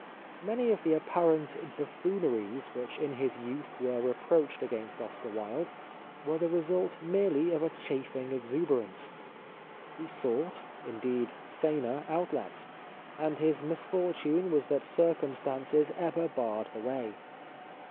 Many of the apparent buffooneries which in his youth were reproached against Oscar Wilde were the result merely of a chafing exuberance. He sought, indeed, saner outlets, and his misfortune was that circum stances ever barred the way.